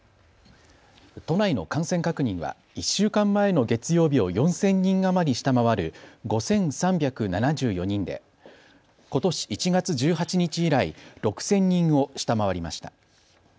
都内の感染確認は１週間前の月曜日を４０００人余り下回る５３７４人でことし１月１８日以来、６０００人を下回りました。